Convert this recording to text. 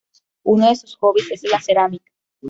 Uno de sus hobbies es la cerámica.